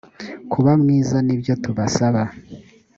kuba mwiza nibyo tubasaba